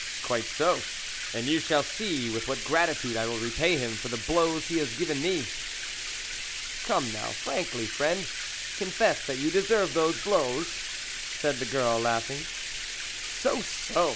" Quite so, and you shall see with what gratitude I will repay him for the blows he has given me." " Come now, frankly, friend, confess that you deserved those blows," said the girl, laughing. " So, so !